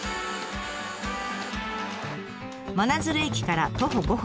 真鶴駅から徒歩５分。